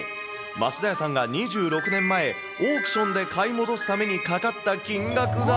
増田屋さんが２６年前、オークションで買い戻すためにかかった金額が。